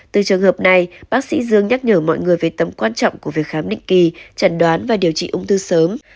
từ trường hợp này bác sĩ dương nhắc nhở mọi người về tầm quan trọng của việc khám định kỳ trần đoán và điều trị ung thư sớm